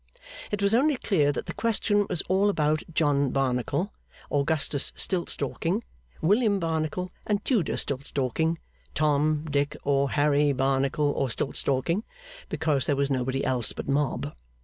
It was only clear that the question was all about John Barnacle, Augustus Stiltstalking, William Barnacle and Tudor Stiltstalking, Tom, Dick, or Harry Barnacle or Stiltstalking, because there was nobody else but mob.